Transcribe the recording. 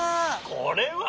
これは。